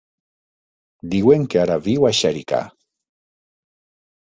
Diuen que ara viu a Xèrica.